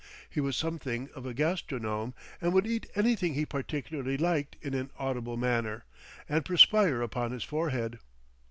He was something of a gastronome, and would eat anything he particularly liked in an audible manner, and perspire upon his forehead.